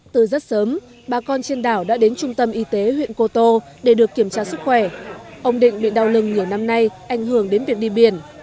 từ rất sớm bà con trên đảo đã đến trung tâm y tế huyện cô tô để được kiểm tra sức khỏe ông định bị đau lừng nhiều năm nay ảnh hưởng đến việc đi biển